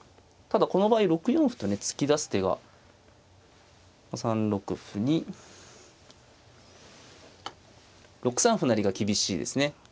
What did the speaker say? ただこの場合６四歩とね突き出す手がまあ３六歩に６三歩成が厳しいですね。